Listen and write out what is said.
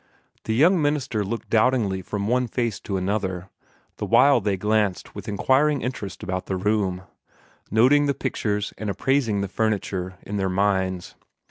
The young minister looked doubtingly from one face to another, the while they glanced with inquiring interest about the room, noting the pictures and appraising the furniture in their minds.